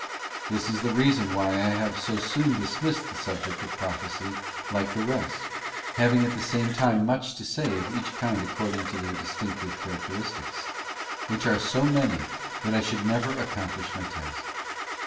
This isthe reason why I have so soon dismissed the subject of Prophecy like the rest, having at the same time much to say of each kind according to their distinctive characteristics, which are so many that I should never accomplish my task.